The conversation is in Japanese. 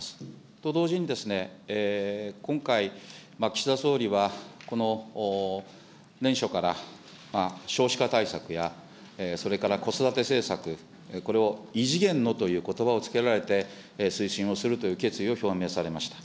と同時にですね、今回、岸田総理はこの年初から少子化対策や、それから子育て政策、これを異次元のということばを付けられて、推進をするという決意を表明されました。